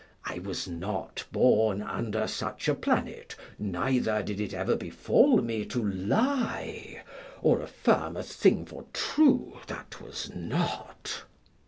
I was not born under such a planet, neither did it ever befall me to lie, or affirm a thing for true that was not.